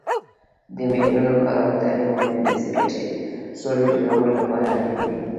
د میرمنو کار او تعلیم مهم دی ځکه چې سولې جوړولو لپاره اړین دی.